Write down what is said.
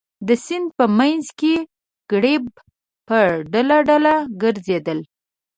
د سیند په منځ کې ګرېب په ډله ډله ګرځېدل.